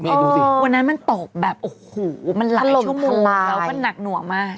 เนี่ยตรงนั้นมันตกแบบโอ้โหมันภรรย์ลมภาษามันหนักหน่วงมาก